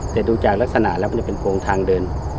แต่ดูจากลักษณะแล้วมันจะเป็นโพงทางเดิน